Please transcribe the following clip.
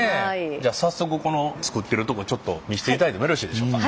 じゃあ早速この作ってるとこちょっと見していただいてもよろしいでしょうか？